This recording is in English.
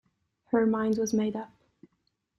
Her mind was made up.